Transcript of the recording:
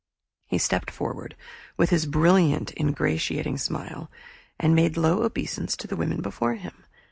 He stepped forward, with his brilliant ingratiating smile, and made low obeisance to the women before him.